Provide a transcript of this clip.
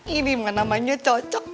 ini mah namanya cocok